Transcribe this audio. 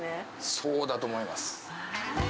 そうだと思います。